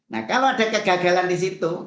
nah kalau ada kegagalan di situ